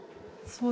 そう。